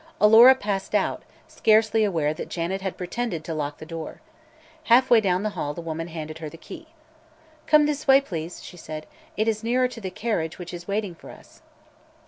Alora passed out, scarcely aware that Janet had pretended to lock the door. Halfway down the hall the woman handed her the key. "Come this way, please," she said; "it is nearer to the carriage which is waiting for us."